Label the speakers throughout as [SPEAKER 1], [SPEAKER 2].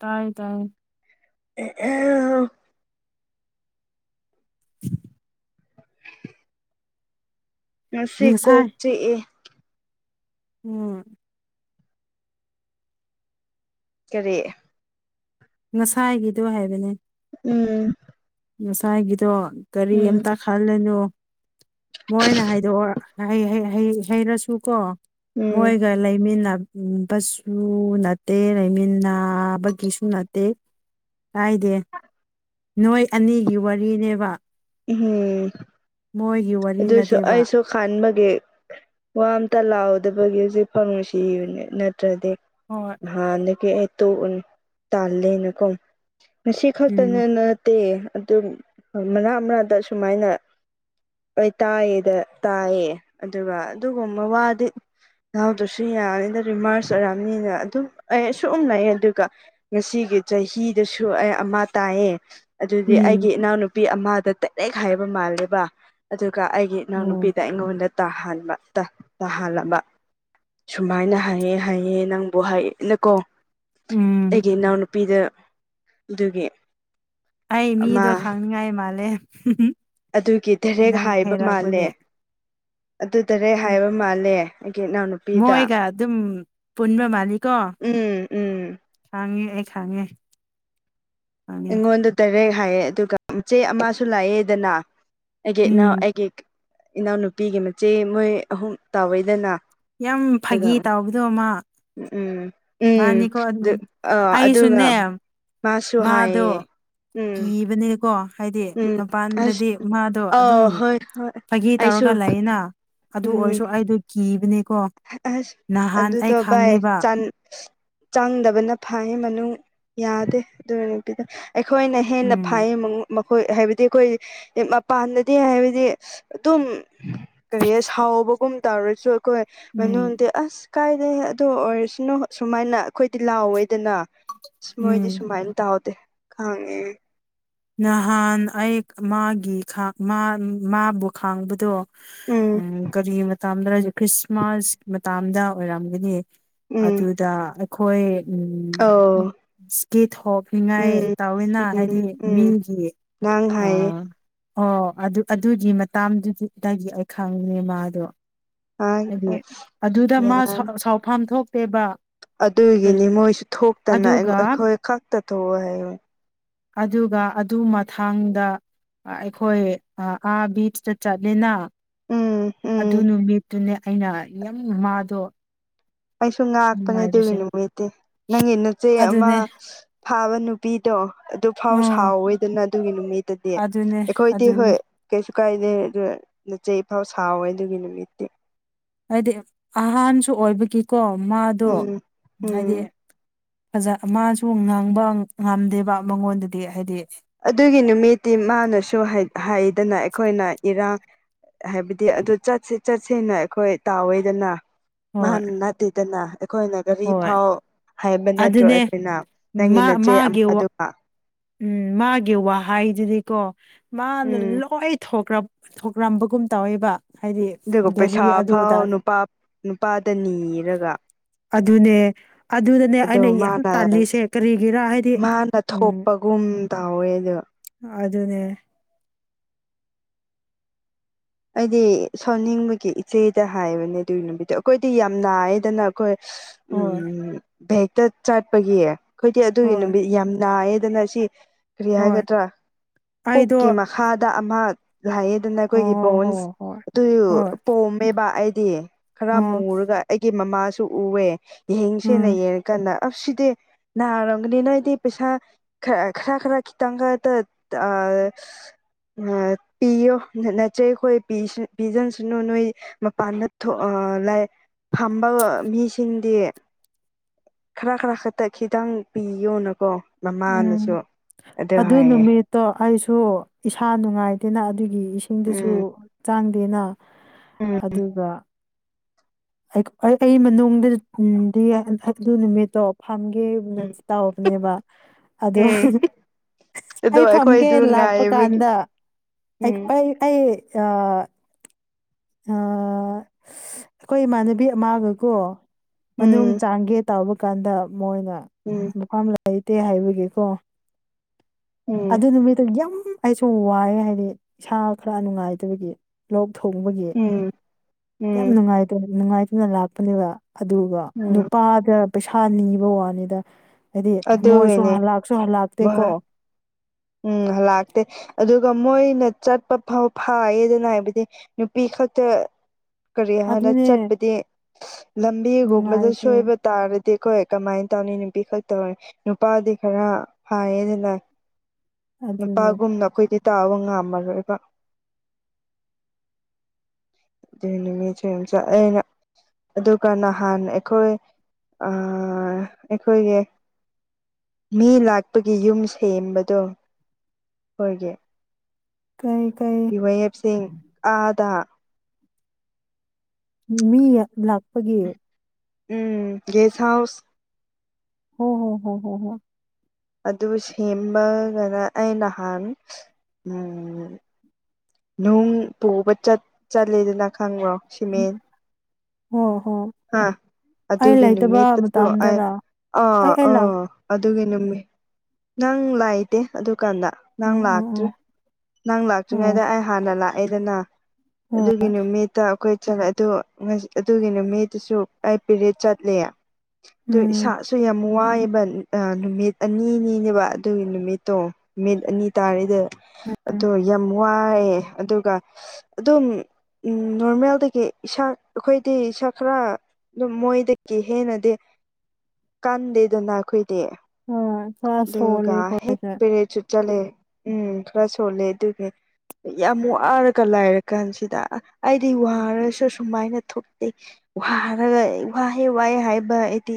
[SPEAKER 1] ꯇꯥꯏꯌꯦ ꯇꯥꯏꯌꯦ
[SPEAKER 2] ꯑꯦ ꯑꯝ ꯉꯁꯤ ꯀꯣꯛ
[SPEAKER 1] ꯉꯁꯥꯏ
[SPEAKER 2] ꯆꯤꯛꯑꯦ
[SPEAKER 1] ꯎꯝ
[SPEAKER 2] ꯀꯔꯤ
[SPEAKER 1] ꯉꯁꯥꯏꯒꯤꯗꯣ ꯍꯥꯏꯕꯅꯦ
[SPEAKER 2] ꯎꯝ
[SPEAKER 1] ꯉꯁꯥꯏꯒꯤꯗꯣ ꯀꯔꯤ
[SPEAKER 2] ꯎꯝ
[SPEAKER 1] ꯑꯝꯇ ꯈꯜꯂꯅꯨ ꯃꯣꯏꯅ ꯍꯥꯏꯗꯣꯛꯑꯣ ꯍꯩ ꯍꯩ ꯍꯩ ꯍꯩꯔꯁꯨꯀꯣ
[SPEAKER 2] ꯎꯝ
[SPEAKER 1] ꯃꯣꯏꯒ ꯂꯩꯃꯤꯟꯅ ꯕꯁꯨ ꯅꯠꯇꯦ ꯂꯩꯥꯃꯤꯟꯅꯕꯒꯤꯁꯨ ꯅꯠꯇꯦ ꯀꯥꯏꯗꯦ ꯅꯣꯏ ꯑꯅꯤꯒꯤ ꯋꯥꯔꯤꯅꯦꯕ
[SPEAKER 2] ꯑꯍꯝ
[SPEAKER 1] ꯃꯣꯏꯒꯤ ꯋꯥꯔꯤ
[SPEAKER 2] ꯑꯗꯨꯁꯨ
[SPEAKER 1] ꯅꯠꯇꯦꯕ
[SPEAKER 2] ꯑꯩꯁꯨ ꯈꯥꯟꯕꯒꯤ ꯋꯥ ꯑꯝꯇ ꯂꯥꯎꯗ ꯗꯨꯒꯤ ꯍꯧꯖꯤꯛ ꯐꯥꯎ ꯅꯨꯡꯁꯤꯕꯅꯦ ꯅꯠꯇ꯭ꯔꯗꯤ
[SPEAKER 1] ꯍꯣꯏ
[SPEAKER 2] ꯅꯍꯥꯟꯗꯒꯤ ꯑꯩ ꯇꯣꯛꯑꯅꯤ ꯇꯥꯜꯂꯦꯅꯀꯣ ꯉꯁꯤ
[SPEAKER 1] ꯎꯝ
[SPEAKER 2] ꯈꯛꯇꯅꯅ ꯅꯠꯇꯦ ꯑꯗꯨ ꯃꯅꯥ ꯑꯃꯔꯛꯇ ꯁꯨꯃꯥꯏꯅ ꯍꯣꯏ ꯇꯥꯏꯌꯦꯗ ꯇꯥꯏꯌꯦ ꯑꯗꯨꯒ ꯑꯗꯨꯒꯨꯝꯕ ꯋꯥꯗꯤ ꯌꯥꯎꯗ꯭ꯔꯁꯨ ꯌꯥꯅꯤꯗ ꯔꯤꯃꯁ ꯑꯣꯏꯔꯝꯅꯤꯅ ꯑꯗꯨꯝ ꯑꯩ ꯑꯁꯨꯝ ꯂꯥꯛꯑꯦ ꯑꯗꯨꯒ ꯉꯁꯤ ꯆꯍꯤꯗꯁꯨ ꯑꯩ ꯑꯃ ꯇꯥꯏꯌꯦ ꯑꯗꯨꯗꯤ ꯑꯩꯒꯤ
[SPEAKER 1] ꯎꯝ
[SPEAKER 2] ꯏꯅꯥꯎꯅꯨꯄꯤ ꯑꯃꯗ ꯗꯥꯏꯔꯦꯛ ꯍꯥꯏꯕ ꯃꯥꯜꯂꯦꯕ ꯑꯗꯨ ꯀ ꯑꯩꯒꯤ
[SPEAKER 1] ꯑꯣ
[SPEAKER 2] ꯏꯅꯥꯎꯅꯨꯄꯤꯗ ꯑꯩꯉꯣꯟꯗ ꯇꯥꯍꯟꯕ ꯇ ꯇꯥꯍꯜꯂꯝꯕ ꯁꯨꯃꯥꯏꯅ ꯍꯥꯏꯑꯦ ꯍꯥꯏꯑꯦ ꯅꯪꯕꯨ ꯍꯥꯏꯌꯦꯅꯀꯣ
[SPEAKER 1] ꯎꯝ
[SPEAKER 2] ꯑꯩꯒꯤ ꯏꯅꯥꯎꯅꯨꯄꯤꯗ ꯑꯗꯨꯒꯤ
[SPEAKER 1] ꯑꯩ
[SPEAKER 2] ꯑꯃ
[SPEAKER 1] ꯃꯤꯗꯣ ꯈꯪꯅꯤꯡꯉꯥꯏ ꯃꯥꯜꯂꯦ
[SPEAKER 2] ꯑꯗꯨꯒꯤ ꯗꯥꯏꯔꯦꯛ
[SPEAKER 1] ꯅꯪ ꯍꯩꯔꯥꯛꯄꯒꯤ
[SPEAKER 2] ꯑꯗꯨꯗꯔꯦꯛ ꯍꯥꯏꯕ ꯃꯥꯜꯂꯦ ꯑꯩꯒꯤ ꯏꯅꯥꯎꯅꯨꯄꯤꯗ
[SPEAKER 1] ꯃꯣꯏꯒ ꯑꯗꯨꯝ ꯄꯨꯟꯕ ꯃꯥꯜꯂꯤꯀꯣ
[SPEAKER 2] ꯎꯝ ꯎꯝ
[SPEAKER 1] ꯈꯥꯡꯉꯦ ꯑꯩ ꯈꯪꯉꯦ
[SPEAKER 2] ꯑꯩꯉꯣꯟꯗ ꯗꯥꯢꯔꯦꯛ ꯍꯥꯏꯌꯦ ꯑꯗꯨꯒ ꯆꯦ ꯑꯃꯁꯨ ꯂꯥꯛꯑꯦꯗꯅ ꯑꯩꯒꯤ ꯏꯅꯥꯎ
[SPEAKER 1] ꯎꯝ
[SPEAKER 2] ꯑꯩꯒꯤ ꯏꯅꯥꯎꯅꯨꯄꯤꯒꯤ ꯃꯆꯦ ꯃꯣꯏ ꯑꯍꯨꯝ ꯇꯧꯋꯦꯗꯅ
[SPEAKER 1] ꯌꯥꯝ ꯐꯥꯒꯤ ꯇꯥꯎꯕꯗꯣ ꯃꯥ
[SPEAKER 2] ꯎꯝ ꯎꯝ
[SPEAKER 1] ꯃꯥꯅꯤꯀꯣ ꯑꯗꯨꯝ
[SPEAKER 2] ꯑꯗꯨ ꯑ ꯑꯗꯨꯒ
[SPEAKER 1] ꯑꯩꯁꯨꯅꯦ
[SPEAKER 2] ꯃꯥꯁꯨ
[SPEAKER 1] ꯃꯥꯗꯣ
[SPEAKER 2] ꯍꯥꯏꯌꯦ ꯎꯝ
[SPEAKER 1] ꯀꯤꯕꯅꯦꯀꯣ ꯍꯥꯏꯗꯤ
[SPEAKER 2] ꯎꯝ ꯑꯁ
[SPEAKER 1] ꯃꯄꯥꯟꯗꯗꯤ ꯃꯥꯗꯣ ꯑꯗꯨꯝ
[SPEAKER 2] ꯑꯥ ꯍꯣꯏ ꯍꯣꯏ
[SPEAKER 1] ꯐꯥꯒꯤ
[SPEAKER 2] ꯑꯩꯁꯨ
[SPEAKER 1] ꯇꯧꯔꯒ ꯂꯩꯅ ꯑꯗꯨ
[SPEAKER 2] ꯎꯝ
[SPEAKER 1] ꯑꯣꯏꯔꯁꯨ ꯑꯩꯗꯣ ꯀꯤꯕꯅꯦ
[SPEAKER 2] ꯑꯁ ꯑꯗꯨꯗꯣ ꯚꯥꯏ
[SPEAKER 1] ꯈꯪꯉꯦꯕ
[SPEAKER 2] ꯆꯟ ꯆꯪꯗꯕꯅ ꯐꯌꯦ ꯃꯅꯨꯡ ꯌꯥꯗꯦ ꯑꯗꯨ ꯅꯨꯄꯤꯗꯣ ꯑꯩꯈꯣꯏꯅ ꯍꯦꯟꯅ
[SPEAKER 1] ꯎꯝ
[SPEAKER 2] ꯐꯩꯌꯦ ꯃꯉꯣ ꯃ ꯍꯣꯏ ꯍꯥꯏꯕꯗꯤ ꯑꯈꯣꯏ ꯃꯄꯥꯟꯗꯗꯤ ꯍꯥꯏꯕꯗꯤ ꯑꯗꯨꯝ ꯀꯔꯤ ꯁꯥꯎꯕꯒꯨꯝ ꯇꯥꯔꯁꯨ ꯑꯈꯣꯏ
[SPEAKER 1] ꯎꯝ
[SPEAKER 2] ꯃꯅꯨꯡꯗꯤ ꯑꯁ ꯀꯥꯏꯗꯦ ꯑꯗꯨ ꯑꯣꯏꯔꯁꯅꯨ ꯁꯨꯃꯥꯏꯅ ꯑꯈꯣꯏꯗꯤ ꯂꯥꯎꯋꯦꯗꯅ ꯃꯣꯏꯗꯤ
[SPEAKER 1] ꯎꯝ
[SPEAKER 2] ꯁꯨꯃꯥꯏꯅ ꯇꯥꯎꯗꯦ ꯈꯥꯡꯉꯦ
[SPEAKER 1] ꯅꯍꯥꯟ ꯑꯩ ꯃꯥꯒꯤ ꯃꯥꯕꯨ ꯈꯥꯡꯕꯗꯣ ꯎꯝ ꯀꯔꯤ ꯃꯇꯗꯔ ꯈ꯭ꯔꯤꯁꯃꯥꯁ ꯃꯇꯝꯗ ꯑꯣꯏꯔꯝꯒꯅꯤ
[SPEAKER 2] ꯎꯝ
[SPEAKER 1] ꯑꯗꯨꯗ ꯑꯈꯣꯏ ꯎ
[SPEAKER 2] ꯑꯧ
[SPEAKER 1] ꯁ꯭ꯀꯤꯠ ꯊꯣꯡꯅꯤꯉꯥꯏ
[SPEAKER 2] ꯎꯝ
[SPEAKER 1] ꯇꯥꯋꯤꯅ
[SPEAKER 2] ꯎꯝ
[SPEAKER 1] ꯍꯥꯏꯗꯤ
[SPEAKER 2] ꯎꯝ
[SPEAKER 1] ꯃꯤꯒꯤ
[SPEAKER 2] ꯅꯪ ꯍꯥꯏꯌꯦ
[SPEAKER 1] ꯑꯥ ꯑꯣ ꯑꯗꯨ ꯑꯗꯨꯒꯤ ꯃꯇꯥꯡꯗꯨꯗꯤ ꯑꯩ ꯈꯪꯈꯔꯦ ꯃꯥꯗꯣ ꯍꯥꯏꯗꯤ ꯑꯗꯨꯗ ꯃꯥ
[SPEAKER 2] ꯌꯥꯝ
[SPEAKER 1] ꯁꯥꯎꯐꯝ ꯊꯣꯛꯇꯦꯕ
[SPEAKER 2] ꯑꯗꯨꯒꯤꯅꯤ ꯃꯣꯏꯁꯨ ꯊꯣꯛꯇꯅ
[SPEAKER 1] ꯑꯗꯨꯒ
[SPEAKER 2] ꯑꯈꯣꯏ ꯈꯛꯇ ꯇꯧꯑꯣ ꯍꯥꯏꯌꯦ
[SPEAKER 1] ꯑꯗꯨꯒ ꯑꯗꯨ ꯃꯊꯪꯗ ꯑꯈꯣꯏ ꯑꯥ ꯕꯤꯁꯇ ꯆꯠꯂꯦꯅ
[SPEAKER 2] ꯎꯝ ꯎꯝ
[SPEAKER 1] ꯑꯗꯨ ꯅꯨꯃꯤꯠꯇꯨꯅꯦ ꯑꯩꯅ ꯌꯥꯝ ꯃꯥꯗꯣ
[SPEAKER 2] ꯑꯩꯁꯨ ꯉꯥꯛꯄꯅꯦ ꯑꯗꯨꯒꯤ
[SPEAKER 1] ꯅꯨꯡꯉꯥꯏꯔꯤꯁꯦ
[SPEAKER 2] ꯅꯨꯃꯤꯠꯇꯤ ꯅꯪꯒꯤ ꯅꯆꯦ ꯑꯃ
[SPEAKER 1] ꯑꯗꯨꯅꯦ
[SPEAKER 2] ꯐꯥꯕ ꯅꯨꯄꯤꯗꯣ ꯑꯗꯨ ꯐꯥꯎ
[SPEAKER 1] ꯑꯣ
[SPEAKER 2] ꯁꯥꯎꯋꯦꯗꯅ ꯑꯗꯨꯒꯤ ꯅꯨꯃꯤꯠꯇꯗꯤ
[SPEAKER 1] ꯑꯗꯨꯅꯦ
[SPEAKER 2] ꯑꯈꯣꯏꯗꯤ
[SPEAKER 1] ꯑꯗꯨꯅꯦ
[SPEAKER 2] ꯍꯣꯏ ꯀꯩꯁꯨ ꯀꯥꯏꯗꯦ ꯑꯗꯨ ꯅꯆꯦ ꯐꯥꯎ ꯁꯥꯎꯋꯦ ꯑꯗꯨꯒꯤ ꯅꯨꯃꯤꯠꯇꯤ
[SPEAKER 1] ꯍꯥꯏꯗꯤ ꯑꯍꯥꯟꯁꯨ ꯑꯣꯏꯕꯒꯤꯀꯣ ꯃꯥꯗꯣ
[SPEAKER 2] ꯎꯝ ꯎꯝ
[SPEAKER 1] ꯍꯥꯏꯗꯤ ꯐꯖ ꯃꯥꯁꯨ ꯉꯥꯡꯕ ꯉꯝꯗꯦꯕ ꯃꯉꯣꯟꯗꯗꯤ ꯍꯥꯏꯗꯤ
[SPEAKER 2] ꯑꯗꯨꯒꯤ ꯅꯨꯃꯤꯠꯇꯤ ꯃꯥꯅꯁꯨ ꯍꯥꯏꯗꯅ ꯑꯩꯈꯣꯏꯅ ꯏꯔꯥꯡ ꯍꯥꯏꯕꯗꯤ ꯑꯗꯨ ꯆꯠꯁꯤ ꯆꯠꯁꯦꯅ ꯑꯈꯣꯏ ꯇꯥꯎꯋꯦꯗꯅ
[SPEAKER 1] ꯍꯣꯏ
[SPEAKER 2] ꯃꯥꯅ ꯅꯥꯠꯇꯦꯗꯅ ꯑꯈꯣꯏꯅ ꯒꯥꯔꯤ
[SPEAKER 1] ꯍꯣꯏ
[SPEAKER 2] ꯐꯥꯎ ꯍꯥꯏꯕ ꯅꯠꯇ꯭ꯔꯣ
[SPEAKER 1] ꯑꯗꯨꯅꯦ
[SPEAKER 2] ꯑꯈꯣꯏꯅ ꯅꯪꯒꯤ
[SPEAKER 1] ꯃꯥ
[SPEAKER 2] ꯅꯆꯦ
[SPEAKER 1] ꯃꯥꯒꯤ
[SPEAKER 2] ꯑꯃꯗꯨꯒ
[SPEAKER 1] ꯎꯝ ꯃꯥꯒꯤ ꯋꯥꯍꯩꯗꯨꯗꯤꯀꯣ ꯃꯥꯅ
[SPEAKER 2] ꯎꯝ
[SPEAKER 1] ꯂꯣꯏ ꯊꯣꯛꯈ꯭ꯔ ꯊꯣꯛꯔꯝꯕꯒꯨꯝ ꯇꯧꯋꯦꯕ ꯍꯥꯏꯗꯤ
[SPEAKER 2] ꯑꯗꯨꯒ
[SPEAKER 1] ꯒꯥꯔꯤ
[SPEAKER 2] ꯄꯩꯁꯥ
[SPEAKER 1] ꯑꯗꯨ
[SPEAKER 2] ꯐꯥꯎ
[SPEAKER 1] ꯑꯗꯥ
[SPEAKER 2] ꯅꯨꯄꯥ ꯅꯨꯄꯥꯗ ꯅꯤꯔꯒ
[SPEAKER 1] ꯑꯗꯨꯅꯦ ꯑꯗꯨꯗꯅꯦ
[SPEAKER 2] ꯑꯗꯣ
[SPEAKER 1] ꯑꯩꯅ ꯌꯥꯝ
[SPEAKER 2] ꯃꯥꯅ
[SPEAKER 1] ꯇꯥꯜꯂꯤꯁꯦ ꯀꯔꯤꯒꯤꯔ ꯍꯥꯏꯗꯤ ꯎꯝ
[SPEAKER 2] ꯎꯝ ꯇꯧꯋꯦꯗ
[SPEAKER 1] ꯑꯗꯨꯅꯦ
[SPEAKER 2] ꯑꯩꯗꯤ ꯁꯥꯎꯅꯤꯡꯕꯒꯤ ꯏꯆꯦꯗ ꯍꯥꯏꯕꯅꯦ ꯑꯗꯨꯒꯤ ꯅꯨꯃꯤꯠꯇꯣ ꯑꯈꯣꯏꯗꯤ ꯌꯥꯝ ꯅꯥꯏꯌꯦꯗꯅ ꯑꯈꯣꯏ
[SPEAKER 1] ꯍꯣꯏ
[SPEAKER 2] ꯎꯝ ꯚꯦꯛꯇ ꯆꯠꯄꯒꯤ ꯑꯈꯣꯏꯗꯤ ꯑꯗꯨꯒꯤ
[SPEAKER 1] ꯍꯣꯏ
[SPEAKER 2] ꯅꯨꯃꯤꯠ ꯌꯥꯝ ꯅꯥꯏꯌꯦ ꯗꯅ ꯁꯤ ꯀꯔꯤ
[SPEAKER 1] ꯍꯣꯏ
[SPEAKER 2] ꯍꯥꯏꯒꯗ꯭ꯔꯥ
[SPEAKER 1] ꯑꯩꯗꯣ
[SPEAKER 2] ꯀꯣꯛꯀꯤ ꯃꯈꯥꯗ ꯑꯃ ꯍꯥꯏꯌꯦꯗꯅ ꯑꯈꯣꯏꯒꯤ
[SPEAKER 1] ꯑꯣ ꯍꯣ
[SPEAKER 2] ꯕꯣꯟꯁ
[SPEAKER 1] ꯍꯣꯏ
[SPEAKER 2] ꯑꯗꯨ
[SPEAKER 1] ꯍꯣꯏ
[SPEAKER 2] ꯄꯣꯝꯃꯦꯕ ꯑꯩꯗꯤ ꯈꯔ
[SPEAKER 1] ꯑꯣ
[SPEAKER 2] ꯃꯨꯔꯒ ꯑꯩꯒꯤ ꯃꯃꯥꯁꯨ ꯎꯑꯦ
[SPEAKER 1] ꯎꯝ
[SPEAKER 2] ꯌꯦꯡꯁꯦꯅ ꯌꯦꯡꯉꯀꯥꯟꯗ ꯑꯁ ꯁꯤꯗꯤ ꯅꯥꯔꯝꯒꯅꯤ ꯅ ꯑꯩꯗꯤ ꯄꯩꯁꯥ ꯈꯔ ꯈꯔ ꯈꯤꯇꯪꯒ ꯑꯥ ꯑꯥ ꯑꯥ ꯄꯤꯌꯣ ꯆꯦ ꯑꯈꯣꯏ ꯄꯤꯁꯤꯟꯁꯅꯨ ꯅꯣꯏ ꯃꯄꯥꯟꯗ ꯊꯣꯛ ꯑ ꯂꯩ ꯐꯝꯕ ꯃꯤꯁꯤꯡꯗꯤ ꯈꯔ ꯈꯔ ꯈꯛꯇ ꯈꯤꯇꯪ ꯄꯤꯌꯣꯅꯀꯣ
[SPEAKER 1] ꯎꯝ
[SPEAKER 2] ꯃꯃꯥꯅꯁꯨ
[SPEAKER 1] ꯑꯗꯨ ꯅꯨꯃꯤꯠꯇꯣ ꯑꯩꯁꯨ ꯗꯣ ꯏꯁꯥ ꯅꯨꯡꯉꯥꯏꯇꯦꯅ ꯑꯗꯨꯒꯤ ꯏꯁꯤꯡꯗꯨꯁꯨ
[SPEAKER 2] ꯎꯝ
[SPEAKER 1] ꯆꯥꯡꯗꯦꯅ
[SPEAKER 2] ꯎꯝ
[SPEAKER 1] ꯑꯗꯨꯒ ꯑꯩ ꯃꯅꯨꯡꯗꯗꯝ ꯍꯥꯏꯕꯗꯤ ꯅꯨꯃꯤꯠꯇꯣ ꯐꯝꯒꯦꯅꯗꯤ ꯇꯧꯕꯅꯦꯕ ꯑꯗꯨ
[SPEAKER 2] ꯎꯝ ꯑꯗꯣ
[SPEAKER 1] ꯑꯩ ꯐꯝꯒꯦ
[SPEAKER 2] ꯑꯩꯈꯣꯏꯗꯨ
[SPEAKER 1] ꯂꯥꯛꯄ
[SPEAKER 2] ꯉꯥꯏꯕꯒꯤ
[SPEAKER 1] ꯀꯥꯟꯗ ꯑꯩ
[SPEAKER 2] ꯎꯝ
[SPEAKER 1] ꯑꯩ ꯑꯩ ꯑꯥ ꯑꯥ ꯑꯈꯣꯏ ꯏꯃꯥꯟꯅꯕꯤ ꯑꯃꯒꯀꯣ ꯃꯅꯨꯡ
[SPEAKER 2] ꯎꯝ
[SPEAKER 1] ꯆꯥꯡꯒꯦ ꯇꯧꯕ ꯀꯥꯟꯗ ꯃꯣꯏꯅ
[SPEAKER 2] ꯎꯝ
[SPEAKER 1] ꯃꯐꯝ ꯂꯩꯇꯦ ꯍꯥꯏꯕꯒꯤꯀꯣ
[SPEAKER 2] ꯎꯝ
[SPEAKER 1] ꯑꯗꯨ ꯅꯨꯃꯤꯠꯇꯨ ꯌꯥꯝ ꯑꯩꯁꯨ ꯋꯥꯏ ꯍꯥꯏꯗꯤ ꯏꯁꯥ ꯈꯔ ꯅꯨꯡꯉꯥꯏꯇꯕꯒꯤ ꯂꯣꯛ ꯊꯨꯡꯕꯒꯤ
[SPEAKER 2] ꯎꯝ
[SPEAKER 1] ꯌꯥꯝ
[SPEAKER 2] ꯎꯝ
[SPEAKER 1] ꯅꯨꯡꯉꯥꯏꯇ ꯅꯨꯡꯉꯥꯏꯇꯅ ꯂꯥꯛꯄꯅꯦꯕ ꯑꯗꯨꯒ
[SPEAKER 2] ꯎꯝ
[SPEAKER 1] ꯅꯨꯄꯥꯒ ꯄꯩꯁꯥ ꯅꯤꯕ ꯋꯥꯅꯤꯗ ꯍꯥꯏꯗꯤ ꯃꯣꯏꯁꯨ
[SPEAKER 2] ꯑꯗꯨꯒꯤꯅꯦ
[SPEAKER 1] ꯍꯂꯥꯛꯁꯨ ꯍꯜꯂꯥꯛꯇꯦꯀꯣ
[SPEAKER 2] ꯃꯣꯏ ꯎꯝ ꯍꯂꯥꯛꯇꯦ ꯑꯗꯨꯒ ꯃꯣꯏꯅ ꯆꯠꯄ ꯐꯥꯎ ꯐꯥꯏꯌꯦꯗꯅ ꯍꯥꯏꯕꯗꯤ ꯅꯨꯄꯤ ꯈꯛꯇ ꯀꯔꯤ ꯍꯥꯟꯅ
[SPEAKER 1] ꯑꯗꯨꯅꯦ
[SPEAKER 2] ꯆꯠꯄꯗꯤ ꯂꯝꯕꯤꯒꯨꯝꯕꯗ
[SPEAKER 1] ꯅꯨꯡꯉꯥꯏꯇꯦ
[SPEAKER 2] ꯁꯣꯏꯕ ꯇꯥꯔꯗꯤ ꯑꯩꯈꯣꯏ ꯀꯃꯥꯏ ꯇꯧꯅꯤ ꯅꯨꯄꯤꯈꯛ ꯇꯧꯏ ꯅꯨꯄꯥꯗꯤ ꯈꯔ ꯐꯥꯏꯌꯦꯗꯅ
[SPEAKER 1] ꯑꯗꯨꯅꯦ
[SPEAKER 2] ꯅꯨꯄꯥꯒꯨꯝꯅ ꯑꯩꯈꯣꯏꯗꯤ ꯇꯥꯎꯕ ꯉꯝꯃꯔꯣꯏꯕ
[SPEAKER 1] [inaudible]
[SPEAKER 2] [unintelligible] ꯑꯗꯨꯒ ꯅꯍꯥꯟ ꯑꯩꯈꯣꯏ ꯑꯥ ꯑꯩꯈꯣꯏꯒꯤ ꯃꯤ ꯂꯥꯛꯄꯒꯤ ꯌꯨꯝ ꯁꯦꯝꯕꯗꯨ ꯑꯩꯈꯣꯏꯒꯤ
[SPEAKER 1] ꯀꯩ ꯀꯩ
[SPEAKER 2] ꯌꯨꯋꯦ ꯑꯦꯞꯁꯤꯡ ꯑꯥꯗꯥ
[SPEAKER 1] ꯃꯤꯃꯤ ꯂꯥꯛꯄꯒꯤ
[SPEAKER 2] ꯎꯝ ꯒꯦꯁ ꯍꯥꯎꯁ
[SPEAKER 1] ꯍꯣ ꯍꯣ ꯍꯣ ꯍꯣ ꯍꯣꯏ
[SPEAKER 2] ꯑꯗꯨ ꯁꯦꯝꯕꯒꯅ ꯑꯩ ꯅꯍꯥꯟ ꯎꯝ ꯅꯨꯡ ꯄꯨꯕ ꯆꯠ ꯆꯠꯂꯦꯗꯅ ꯈꯪꯕ꯭ꯔꯣ ꯁꯤꯃꯦꯟ
[SPEAKER 1] ꯍꯣ ꯍꯣ
[SPEAKER 2] ꯍꯥ
[SPEAKER 1] ꯑꯩ
[SPEAKER 2] ꯑꯗꯨꯒꯤ
[SPEAKER 1] ꯂꯩꯇꯕ
[SPEAKER 2] ꯅꯨꯃꯤꯠꯇꯁꯨ ꯑꯩ
[SPEAKER 1] ꯃꯇꯝꯗꯔ
[SPEAKER 2] ꯑꯥ
[SPEAKER 1] ꯑꯩ ꯑꯩ ꯂꯥꯛ
[SPEAKER 2] ꯑꯥ ꯑꯠ ꯑꯗꯨꯒꯤ ꯅꯨꯃꯤ ꯅꯪ ꯂꯥꯏꯇꯦ ꯑꯗꯨ ꯀꯥꯟꯗ ꯅꯪ
[SPEAKER 1] ꯑꯣ ꯑꯣ
[SPEAKER 2] ꯂꯥꯛꯇ꯭ꯔꯤ
[SPEAKER 1] ꯑꯣ
[SPEAKER 2] ꯅꯪ
[SPEAKER 1] ꯑꯣ
[SPEAKER 2] ꯂꯥꯛꯇ꯭ꯔꯤꯉꯩꯗ ꯑꯩ ꯍꯥꯟꯅ ꯂꯥꯛꯑꯦꯗꯅ
[SPEAKER 1] ꯑꯣ
[SPEAKER 2] ꯑꯗꯨꯒꯤ ꯅꯨꯃꯤꯠꯇ ꯑꯩꯈꯣꯏ ꯆꯠꯂꯦ ꯑꯗꯨ ꯑꯗꯨꯒꯤ ꯅꯨꯃꯤꯠ ꯗꯨꯁꯨ ꯑꯩ ꯄꯤꯔꯤꯠ ꯆꯠꯂꯦ ꯑꯗꯨ
[SPEAKER 1] ꯎꯝ
[SPEAKER 2] ꯏꯁꯥꯁꯨ ꯌꯥꯝ ꯋꯥꯏꯑꯦ ꯕꯟ ꯑꯥ ꯅꯨꯃꯤꯠ ꯑꯅꯤꯅꯤꯅꯦꯕ ꯑꯗꯨꯒꯤ ꯅꯨꯃꯤꯠꯇꯣ ꯅꯨꯃꯤꯠ ꯑꯅꯤ ꯇꯥꯔꯤꯗ ꯑꯗꯣ ꯌꯥꯝ ꯋꯥꯏꯑꯦ ꯑꯗꯨꯒ ꯑꯗꯨꯝ ꯎꯝ ꯅꯣꯔꯃꯦꯜꯗꯒꯤ ꯏꯁꯥ ꯑꯩꯈꯣꯏꯗꯤ ꯏꯁꯛ ꯈꯔ ꯑꯗꯨꯝ ꯃꯣꯏꯗꯒꯤ ꯍꯦꯟꯅꯗꯤ ꯀꯟꯗꯦꯗꯅ ꯑꯩꯈꯣꯏ ꯗꯤ
[SPEAKER 1] ꯍꯣꯏ ꯈꯔ
[SPEAKER 2] ꯑꯗꯨꯒ
[SPEAKER 1] ꯁꯣꯜꯂꯦꯀꯣ
[SPEAKER 2] ꯍꯦꯛ
[SPEAKER 1] ꯑꯩꯁꯦ
[SPEAKER 2] ꯄꯦꯔꯦꯠꯁꯨ ꯆꯠꯂꯦ ꯎꯝ ꯈꯔ ꯁꯣꯜꯂꯦ ꯑꯗꯨꯒ ꯌꯥꯝ ꯋꯥꯔꯒ ꯂꯥꯏꯔ ꯀꯥꯟꯁꯤꯗ ꯑꯩꯗꯤ ꯋꯥꯔꯁꯨ ꯁꯨꯃꯥꯏꯅ ꯊꯣꯛꯇꯦ ꯋꯥꯔꯒ ꯑꯦ ꯋꯥꯍꯦ ꯋꯥꯍꯦ ꯍꯥꯏꯕ ꯑꯩꯗꯤ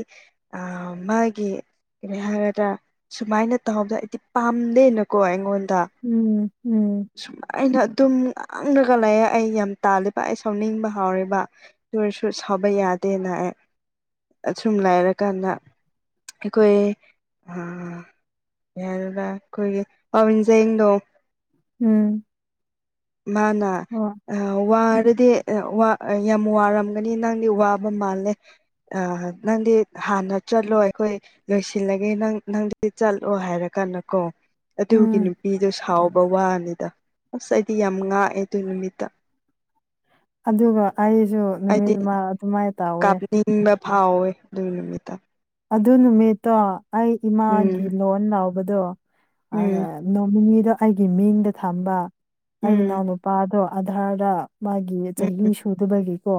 [SPEAKER 2] ꯑꯥ ꯃꯥꯒꯤ ꯀꯔꯤ ꯍꯥꯏꯔꯗ꯭ꯔ ꯁꯨꯃꯥꯏꯅ ꯇꯧꯍꯧꯕꯗꯣ ꯑꯩꯗꯤ ꯄꯥꯝꯗꯦꯅꯀꯣ ꯑꯩꯉꯣꯟ ꯗꯥ
[SPEAKER 1] ꯎꯝ ꯎꯝ
[SPEAKER 2] ꯁꯨꯃꯥꯏꯅ ꯑꯥꯠ ꯇꯨꯝ ꯉꯥꯡꯂꯒ ꯂꯩꯑꯦ ꯑꯩ ꯌꯥꯝ ꯇꯥꯜꯂꯦꯕ ꯑꯩ ꯁꯥꯎꯅꯤꯡꯕ ꯍꯥꯎꯔꯤꯕ ꯑꯗꯨ ꯑꯣꯏꯁꯨ ꯁꯨ ꯁꯥꯎꯕ ꯌꯥꯗꯦꯅ ꯑꯥꯏ ꯑꯁꯨꯝ ꯂꯩꯥꯔꯀꯥꯟꯗ ꯑꯩꯈꯣꯏ ꯑꯥ ꯌꯥꯔꯕ ꯑꯩꯈꯣꯏꯒꯤ ꯄꯥꯕꯤꯟꯖꯦꯡꯗꯣ
[SPEAKER 1] ꯎꯝ
[SPEAKER 2] ꯃꯥꯅ
[SPEAKER 1] ꯍꯣꯏ
[SPEAKER 2] ꯑꯥ ꯋꯥꯔꯗꯤ ꯑꯥ ꯋꯥ ꯌꯥꯝ ꯋꯥꯔꯝ ꯒꯅꯤ ꯅꯪꯗꯤ ꯋꯥꯕ ꯃꯥꯜꯂꯦ ꯑꯥ ꯅꯪꯗꯤ ꯍꯥꯟꯅ ꯆꯠꯂꯣ ꯑꯩꯈꯣꯏ ꯂꯣꯏꯁꯤꯜꯂꯒꯦ ꯅꯪ ꯅꯪꯗꯤ ꯆꯠꯂꯣ ꯍꯥꯏꯔꯒ ꯑꯅ ꯀꯣ ꯑꯗꯨꯒꯤ
[SPEAKER 1] ꯎꯝ
[SPEAKER 2] ꯅꯨꯄꯤꯗꯨ ꯁꯥꯎ ꯕ ꯋꯥꯅꯤꯗ ꯑꯁ ꯑꯩꯗꯤ ꯌꯥꯝ ꯉꯥꯛꯑꯦ ꯑꯗꯨ ꯅꯨꯃꯤꯠꯇ
[SPEAKER 1] ꯑꯗꯨꯒ ꯑꯩꯁꯨ ꯅꯨꯃꯤꯠ ꯑꯗꯨꯃꯥꯏꯅ ꯇꯧꯋꯦ
[SPEAKER 2] ꯊꯥꯎꯋꯦ ꯑꯗꯨꯒꯤ ꯅꯨꯃꯤꯠꯇ
[SPEAKER 1] ꯑꯗꯨ ꯅꯨꯃꯤꯠꯇꯣ ꯑꯩ ꯏꯃꯥꯒꯤ
[SPEAKER 2] ꯎꯝ
[SPEAKER 1] ꯂꯣꯟ ꯂꯧꯕꯗꯣ
[SPEAKER 2] ꯎꯝ
[SPEAKER 1] ꯅꯣꯡꯃꯅꯤꯗ ꯑꯩꯒꯤ ꯃꯤꯡꯗ ꯊꯝꯕ ꯑꯩ
[SPEAKER 2] ꯎꯝ
[SPEAKER 1] ꯏꯅꯥꯎꯅꯨꯄꯥꯗꯣ ꯑꯙꯥꯔꯗ ꯃꯥꯒꯤ
[SPEAKER 2] ꯎꯝ
[SPEAKER 1] ꯆꯍꯤ ꯁꯨꯗꯕꯒꯤꯀꯣ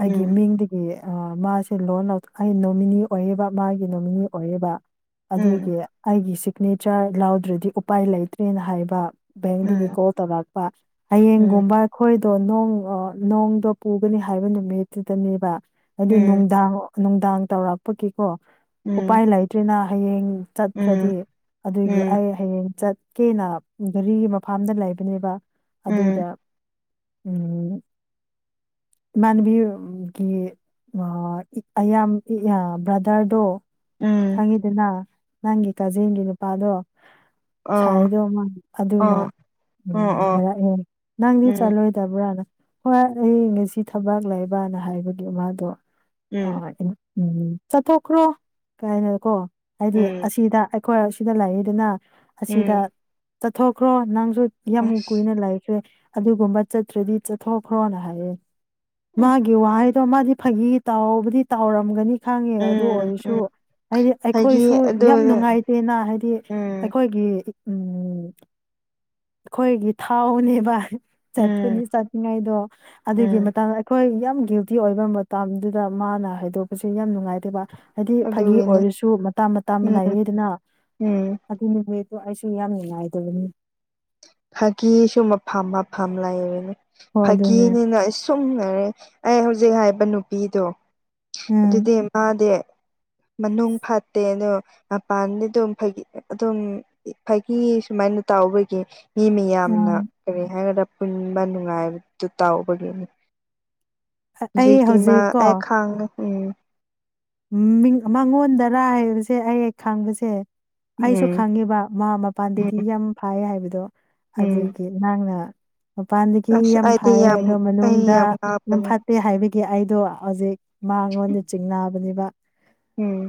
[SPEAKER 1] ꯑꯩꯒꯤ
[SPEAKER 2] ꯎꯝ
[SPEAKER 1] ꯃꯤꯡꯗꯒꯤ ꯑꯥ ꯃꯥꯁꯦ ꯂꯣꯟ ꯂꯧ ꯑꯩ ꯅꯣꯃꯤꯅꯤ ꯑꯣꯏ ꯌꯦꯕ ꯃꯥꯒꯤ ꯅꯣꯃꯤꯅꯤ ꯑꯣꯏꯌꯦꯕ
[SPEAKER 2] ꯎꯝ
[SPEAKER 1] ꯑꯗꯨꯒꯤ ꯑꯩꯒꯤ ꯁꯤꯛꯅꯦꯆꯔ ꯂꯥꯎꯗ꯭ꯔꯗꯤ ꯎꯄꯥꯏ ꯂꯩꯇ꯭ꯔꯦꯅ ꯍꯥꯏꯕ ꯕꯦꯡꯗꯒꯤ
[SPEAKER 2] ꯎꯝ
[SPEAKER 1] ꯀꯣꯜ ꯇꯧꯔꯛꯄ
[SPEAKER 2] ꯎꯝ
[SPEAKER 1] ꯍꯌꯦꯡꯒꯨꯝꯕ ꯑꯩꯈꯣꯏ ꯑꯣ ꯅꯣꯡ ꯅꯣꯡꯗꯣ ꯄꯨꯒꯅꯤ ꯍꯥꯏꯕ ꯅꯨꯃꯤꯠꯇꯨꯗꯅꯦꯕ ꯍꯥꯏꯗꯤ
[SPEAKER 2] ꯎꯝ
[SPEAKER 1] ꯅꯣꯡꯗꯥꯡ ꯅꯨꯡꯗꯥꯡ ꯇꯧꯔꯛꯄꯒꯤꯀꯣ
[SPEAKER 2] ꯎꯝ
[SPEAKER 1] ꯎꯄꯥꯏ ꯂꯩꯇ꯭ꯔꯤꯅ ꯍꯌꯦꯡ ꯆꯠꯇ꯭ꯔꯗꯤ ꯑꯗꯨꯒꯤ ꯑꯩ ꯍꯌꯦꯡ ꯆꯠ ꯀꯦꯅ ꯘꯔꯤꯒꯤ ꯃꯐꯝꯗ ꯂꯩꯕꯅꯦꯕ
[SPEAKER 2] ꯎꯝ ꯎꯝ
[SPEAKER 1] ꯑꯗꯨꯗ ꯎꯝ ꯏꯃꯥꯟꯅꯕꯤ ꯒꯤ ꯑ ꯑꯌꯥꯝꯗꯤ ꯌꯥ ꯕ꯭ꯔꯗꯔꯗꯣ
[SPEAKER 2] ꯎꯝ ꯎꯝ
[SPEAKER 1] ꯈꯪꯉꯤꯗꯅ ꯅꯪꯒꯤ ꯀꯥꯖꯤꯟꯒꯤ ꯅꯨꯄꯥꯗꯣ
[SPEAKER 2] ꯑꯣ
[SPEAKER 1] ꯁꯥꯏꯗꯣ ꯑꯃ ꯑꯗꯨꯅ
[SPEAKER 2] ꯑꯣ ꯑꯣ
[SPEAKER 1] ꯎꯝ
[SPEAKER 2] ꯑꯣ
[SPEAKER 1] ꯍꯥꯏꯔꯛꯑꯦ ꯅꯪꯗꯤ
[SPEAKER 2] ꯎꯝ
[SPEAKER 1] ꯆꯠꯂꯣꯏꯗꯕ꯭ꯔꯥꯅ ꯍꯣꯏ ꯑꯩ ꯉꯁꯤ ꯊꯕꯛ ꯂꯩꯕꯅ ꯍꯥꯏꯕꯒꯤ ꯃꯥꯗꯣ
[SPEAKER 2] ꯎꯝ
[SPEAKER 1] ꯑꯣꯢ ꯑꯝ ꯎꯝ ꯆꯠꯊꯣꯛꯈ꯭ꯔꯣ ꯀꯩꯅꯣꯀꯣ ꯍꯥꯏꯗꯤ
[SPEAKER 2] ꯎꯝ
[SPEAKER 1] ꯑꯁꯤꯗ ꯑꯩꯈꯣꯏ ꯑꯁꯤꯗ ꯂꯩꯗꯅ ꯑꯁꯤꯗ
[SPEAKER 2] ꯎꯝ
[SPEAKER 1] ꯆꯠꯊꯣꯛꯈ꯭ꯔꯣ ꯅꯪꯁꯨ ꯌꯥꯝ
[SPEAKER 2] ꯑꯁ
[SPEAKER 1] ꯀꯨꯏꯅ ꯂꯩꯈ꯭ꯔꯦ ꯑꯗꯨꯒꯨꯝꯕ ꯆꯠꯇ꯭ꯔꯗꯤ ꯆꯠꯊꯣꯛꯈ꯭ꯔꯣꯅ ꯍꯥꯏꯌꯦ ꯃꯥꯒꯤ ꯋꯥꯍꯩ ꯗꯣ ꯃꯥꯗꯤ ꯐꯥꯒꯤ ꯇꯥꯎꯕꯗꯤ ꯇꯥꯎꯔꯝꯒꯅꯤ ꯈꯪꯉꯦ ꯑꯗꯨ
[SPEAKER 2] ꯎꯝ
[SPEAKER 1] ꯑꯣꯏꯔꯁꯨ
[SPEAKER 2] ꯎꯝ
[SPEAKER 1] ꯍꯥꯏꯗꯤ
[SPEAKER 2] ꯍꯥꯏꯒꯤ
[SPEAKER 1] ꯑꯩꯈꯣꯏꯁꯨ
[SPEAKER 2] ꯑꯗꯨ
[SPEAKER 1] ꯌꯥꯝ ꯅꯨꯡꯉꯥꯏꯇꯦꯅ ꯍꯥꯏꯗꯤ
[SPEAKER 2] ꯎꯝ
[SPEAKER 1] ꯑꯩꯈꯣꯏꯒꯤ ꯎꯝ ꯑꯩꯈꯣꯏꯒꯤ ꯊꯥꯎꯅꯦꯕ ꯆꯠꯄꯅꯤ
[SPEAKER 2] ꯎꯝ
[SPEAKER 1] ꯆꯠꯅꯤꯡꯉꯥꯏꯗꯣ ꯑꯗꯨꯒꯤ
[SPEAKER 2] ꯎꯝ
[SPEAKER 1] ꯃꯇꯥꯡ ꯑꯩꯈꯣꯏ ꯌꯥꯝ ꯗ꯭ꯌꯨꯇꯤ ꯑꯣꯏꯕ ꯃꯇꯝꯗꯨꯗ ꯃꯥꯅ ꯍꯥꯏꯗꯣꯛꯄꯁꯦ ꯌꯥꯝ ꯅꯨꯡꯉꯥꯏꯇꯦꯕ ꯍꯥꯏꯗꯤ ꯐꯥꯒꯤ
[SPEAKER 2] ꯑꯗꯨꯒꯤꯅꯤ
[SPEAKER 1] ꯑꯣꯏꯔꯁꯨ ꯃꯇꯥꯡ ꯃꯇꯝ
[SPEAKER 2] ꯎꯝ
[SPEAKER 1] ꯂꯥꯏꯌꯦꯗꯅ
[SPEAKER 2] ꯎꯝ
[SPEAKER 1] ꯑꯗꯨ ꯅꯨꯃꯤꯠ ꯑꯩꯁꯨ ꯌꯥꯝ ꯅꯨꯡꯉꯥꯏꯇꯕꯅꯤ
[SPEAKER 2] ꯐꯥꯒꯤꯁꯨ ꯃꯐꯝ ꯃꯐꯝ ꯂꯩꯕꯅꯦ
[SPEAKER 1] ꯍꯣ ꯑꯗꯨꯅꯦ
[SPEAKER 2] ꯐꯥꯒꯤꯅꯤꯅ ꯁꯨꯝ ꯂꯩꯔꯦ ꯑꯩ ꯍꯧꯖꯤꯛ ꯍꯥꯏꯕ ꯅꯨꯄꯤꯗꯣ
[SPEAKER 1] ꯎꯝ
[SPEAKER 2] ꯑꯗꯨꯗꯤ ꯃꯥꯗꯤ
[SPEAKER 1] [inaudible]
[SPEAKER 2] ꯃꯅꯨꯡ ꯐꯥꯠꯇꯦ ꯑꯗꯣ ꯃꯄꯥꯟꯗꯤ ꯑꯗꯨꯝ ꯐꯥꯒꯤ ꯑꯗꯨꯝ ꯐꯥꯒꯤ ꯁꯨꯃꯥꯏꯅ ꯌꯥꯎꯕꯒꯤ ꯃꯤ ꯃꯌꯥꯝꯅ
[SPEAKER 1] ꯎꯝ
[SPEAKER 2] ꯀꯔꯤ ꯍꯥꯢꯔ ꯄꯨꯟꯕ ꯅꯨꯉꯥꯡꯕꯗꯣ ꯇꯧꯕꯒꯤ
[SPEAKER 1] ꯑꯩ
[SPEAKER 2] ꯍꯧꯖꯤꯛꯇꯤ ꯃꯥ
[SPEAKER 1] ꯍꯧꯖꯤꯛ
[SPEAKER 2] ꯑꯩ ꯈꯪꯉꯦ ꯎꯝ
[SPEAKER 1] ꯃꯤ ꯃꯉꯣꯟꯗꯔꯥ ꯍꯥꯏꯕꯁꯦ ꯑꯩ ꯈꯪꯕꯁꯦ ꯑꯩꯁꯨ
[SPEAKER 2] ꯎꯝ
[SPEAKER 1] ꯈꯪꯉꯦꯕ ꯃꯥ
[SPEAKER 2] ꯎꯝ
[SPEAKER 1] ꯃꯄꯥꯟꯗꯗꯤ ꯌꯥꯝ ꯐꯥꯏ ꯍꯥꯏꯕꯗꯣ
[SPEAKER 2] ꯎꯝ
[SPEAKER 1] ꯑꯗꯨꯒꯤ ꯅꯪꯅ ꯃꯄꯥꯟꯗꯒꯤ
[SPEAKER 2] ꯑꯁ
[SPEAKER 1] ꯌꯥꯝ
[SPEAKER 2] ꯑꯩꯗꯤ
[SPEAKER 1] ꯐꯌꯦ
[SPEAKER 2] ꯌꯥꯝ
[SPEAKER 1] ꯑꯗꯣ
[SPEAKER 2] ꯑꯩ
[SPEAKER 1] ꯃꯅꯨꯡꯗ
[SPEAKER 2] ꯌꯥꯝ
[SPEAKER 1] ꯌꯥꯝ
[SPEAKER 2] ꯉꯥꯎꯕꯅꯦ
[SPEAKER 1] ꯐꯠꯇꯦ ꯍꯥꯏꯕꯒꯤ ꯑꯩꯗꯣ ꯍꯧꯖꯤꯛ ꯃꯥꯉꯣꯟꯗ ꯆꯤꯡꯕꯅꯤꯕ
[SPEAKER 2] ꯎꯝ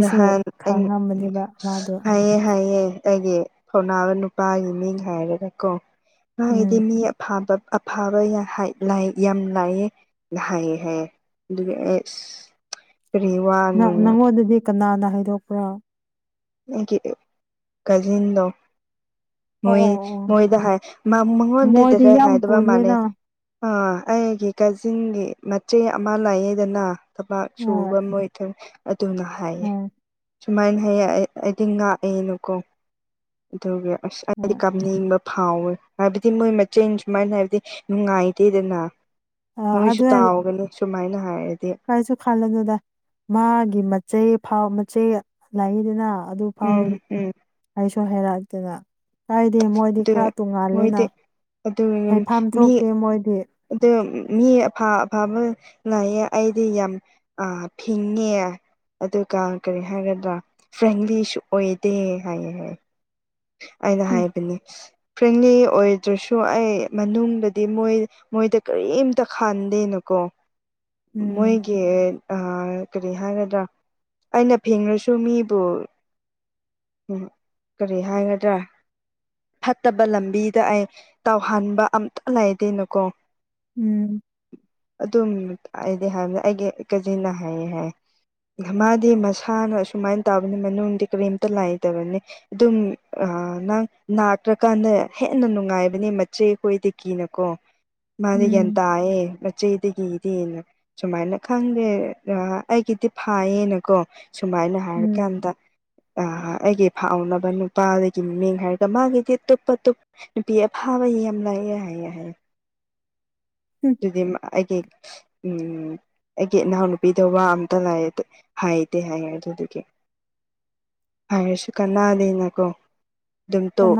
[SPEAKER 2] ꯅꯍꯟ ꯑꯩ
[SPEAKER 1] ꯈꯪꯉꯝꯕꯅꯦꯕ ꯃꯥꯗꯣ
[SPEAKER 2] ꯍꯥꯏꯌꯦ ꯍꯥꯏꯌꯦ ꯑꯩꯒꯤ ꯈꯪꯅꯥꯕ ꯅꯨꯄꯥꯒꯤ ꯃꯤꯡ ꯍꯥꯏꯔꯒꯀꯣ ꯃꯥꯒꯤꯗꯤ
[SPEAKER 1] ꯎꯝ
[SPEAKER 2] ꯃꯤ ꯑꯐꯕ ꯑꯐꯕ ꯌ ꯍꯥꯢ ꯂ ꯌꯥꯝ ꯂꯥꯏꯑꯦ ꯍꯥꯏ ꯍꯥꯏꯌꯦ ꯑꯗꯨ ꯑꯦꯁ ꯀ꯭ꯔꯤꯋꯥ
[SPEAKER 1] ꯅ ꯅꯪꯉꯣꯟꯗꯗꯤ ꯀꯅꯥꯅ ꯍꯥꯏꯗꯣꯛꯄ꯭ꯔꯥ
[SPEAKER 2] ꯑꯩꯒꯤ ꯀꯖꯤꯟꯗꯣ
[SPEAKER 1] ꯑꯣ
[SPEAKER 2] ꯃꯣꯏ
[SPEAKER 1] ꯑꯣ ꯑꯣ ꯑꯣ
[SPEAKER 2] ꯃꯣꯏꯗ ꯍꯥꯏ ꯃ ꯃꯉꯣꯟꯗꯤ
[SPEAKER 1] ꯃꯣꯏꯗꯤ
[SPEAKER 2] ꯗꯤꯔꯦꯛ
[SPEAKER 1] ꯌꯥꯝ
[SPEAKER 2] ꯍꯥꯏꯗꯕ ꯃꯥꯥꯜꯂꯦ
[SPEAKER 1] ꯄꯨꯜꯂꯦꯅ
[SPEAKER 2] ꯑꯥ ꯑꯩꯒꯤ ꯀꯥꯖꯤꯟꯒꯤ ꯃꯆꯦ ꯑꯃ ꯂꯩꯥꯌꯦꯗꯅ ꯊꯕꯥꯛ
[SPEAKER 1] ꯍꯣꯏ
[SPEAKER 2] ꯁꯨꯕ ꯃꯣꯏ ꯊꯝ ꯑꯗꯨꯅ ꯍꯥꯏꯌꯦ
[SPEAKER 1] ꯍꯣꯏ
[SPEAKER 2] ꯁꯨꯃꯥꯏꯅ ꯍꯥꯏꯌꯦ ꯑꯩ ꯑꯩꯗꯤ ꯉꯥꯛꯑꯦꯅꯀꯣ ꯑꯗꯨꯒꯤ ꯑꯁ ꯑꯩꯗꯤ
[SPEAKER 1] ꯍꯣꯏ
[SPEAKER 2] ꯀꯥꯞꯅꯤꯡꯕ ꯐꯥꯎꯋꯦ ꯍꯥꯏꯕꯗꯤ ꯃꯣꯏ ꯃꯆꯤꯟ ꯁꯨꯃꯥꯏꯅ ꯍꯥꯏꯕꯗꯤ ꯅꯨꯡꯉꯥꯏꯇꯦꯗꯅ
[SPEAKER 1] ꯑꯥ
[SPEAKER 2] ꯅꯣꯏꯁꯨ
[SPEAKER 1] ꯑꯗꯨ
[SPEAKER 2] ꯇꯥꯎꯒꯅꯤ ꯁꯨꯃꯥꯏꯅ ꯍꯥꯏꯔꯦ
[SPEAKER 1] ꯀꯥꯏꯁꯨ ꯈꯜꯂꯅꯨꯗ ꯃꯥꯒꯤ ꯃꯆꯦ ꯐꯥꯎ ꯃꯆꯦ ꯂꯩꯗꯅ ꯑꯗꯨ ꯐꯥꯎ
[SPEAKER 2] ꯎꯝ ꯎꯝ
[SPEAKER 1] ꯑꯩꯁꯨ ꯍꯩꯔꯛꯇꯦꯅ ꯍꯥꯏꯗꯤ ꯃꯣꯏꯗꯤ ꯈꯔ ꯇꯣꯡꯉꯥꯜꯂꯦꯅ
[SPEAKER 2] ꯑꯗꯨꯅꯦ
[SPEAKER 1] ꯍꯩꯐꯝ
[SPEAKER 2] ꯃꯤ
[SPEAKER 1] ꯊꯣꯛꯇꯦ ꯃꯣꯏꯗꯤ
[SPEAKER 2] ꯑꯗꯨꯝ ꯃꯤ ꯑꯐ ꯑꯐꯕ ꯂꯩꯌꯦ ꯑꯩꯗꯤ ꯌꯥꯝ ꯑ ꯐꯤꯡꯉꯦ ꯑꯗꯨꯒ ꯀꯔꯤ ꯍꯥꯏꯒꯗ꯭ꯔꯥ ꯐ꯭ꯔꯦꯡꯂꯤꯁꯨ ꯑꯣꯏꯗꯦ ꯍꯥꯏꯌꯦ ꯍꯥꯏ ꯑꯩꯅ
[SPEAKER 1] ꯎꯝ
[SPEAKER 2] ꯍꯥꯏꯕꯅꯦ ꯐ꯭ꯔꯦꯡꯂꯤ ꯑꯣꯏꯗ꯭ꯔꯁꯨ ꯑꯩ ꯃꯅꯨꯡꯗꯗꯤ ꯃꯣꯏ ꯃꯣꯏꯗ ꯀꯔꯤꯝꯇ ꯈꯥꯟꯗꯦꯅꯀꯣ
[SPEAKER 1] ꯎꯝ
[SPEAKER 2] ꯃꯣꯏꯒꯤ ꯑꯥ ꯀꯔꯤ ꯍꯥꯏꯒꯗ꯭ꯔꯥ ꯑꯩꯅ ꯐꯦꯡꯉꯁꯨ ꯃꯤꯕꯨ ꯎꯝ ꯀꯔꯤ ꯍꯥꯏꯒꯗ꯭ꯔꯥ ꯐꯠꯇꯕ ꯂꯝꯕꯤꯗ ꯑꯩ ꯇꯧꯎꯍꯟꯕ ꯑꯝꯇ ꯂꯩꯇꯦꯅꯀꯣ
[SPEAKER 1] ꯎꯝ
[SPEAKER 2] ꯑꯗꯨꯝ ꯑꯩꯗꯤ ꯍꯥꯏꯕꯅꯦ ꯑꯩꯒꯤ ꯀꯖꯤꯟꯅ ꯍꯥꯏꯌꯦ ꯍꯥꯏ ꯃꯥꯗꯤ ꯃꯁꯥꯅ ꯑꯁꯨꯃꯥꯏꯅ ꯇꯧꯕꯅꯤ ꯃꯅꯨꯡꯗꯗꯤ ꯀꯔꯤꯝꯇ ꯂꯩꯏꯇꯕꯅꯤ ꯑꯗꯨꯝ ꯅꯪ ꯂꯥꯛꯇ꯭ꯔꯀꯥꯟꯗ ꯍꯦꯟꯅ ꯅꯨꯡꯉꯥꯏꯕꯅꯦ ꯃꯆꯦꯈꯣꯏꯗꯒꯤꯅꯀꯣ ꯃꯥꯅ ꯒ꯭ꯌꯥꯟ
[SPEAKER 1] ꯎꯝ
[SPEAKER 2] ꯇꯥꯏꯑꯦ ꯃꯆꯦꯗꯒꯤ ꯁꯨꯃꯥꯏꯅ ꯈꯪꯗꯦ ꯑꯩꯒꯤꯗꯤ ꯐꯩꯏꯌꯦꯅꯀꯣ ꯁꯨꯃꯥꯏꯅ
[SPEAKER 1] ꯎꯝ
[SPEAKER 2] ꯍꯥꯏꯔꯀꯥꯟꯗ ꯑꯩꯒꯤ ꯐꯥꯎꯅ ꯅꯨꯄꯥꯗꯨꯒꯤ ꯃꯃꯤꯡ ꯍꯥꯏꯔꯒ ꯃꯥꯒꯤꯗꯤ ꯑꯇꯣꯞ ꯑꯇꯣꯞ ꯅꯨꯄꯤ ꯑꯐꯥꯕ ꯌꯥꯝ ꯂꯥꯛꯑꯦ ꯍꯥꯏꯌꯦ ꯍꯥꯏꯌꯦ
[SPEAKER 1] ꯎꯝ
[SPEAKER 2] ꯑꯗꯨꯗꯤ ꯑꯩꯒꯤ ꯎꯝ ꯑꯩꯒꯤ ꯏꯅꯥꯎ ꯅꯨꯨꯄꯤꯗꯣ ꯋꯥ ꯑꯝꯇ ꯉꯥꯡꯕ ꯍꯥꯏꯇꯦ ꯍꯥꯏꯌꯦ ꯑꯗꯨꯗꯨꯒꯤ ꯍꯥꯏꯔꯁꯨ ꯀꯥꯟꯅꯗꯦꯅꯀꯣ ꯑꯗꯨꯝ ꯇ
[SPEAKER 1] ꯀꯅꯥ